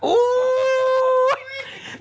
โอ้โห